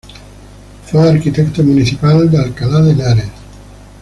Fue arquitecto municipal de Alcalá de Henares.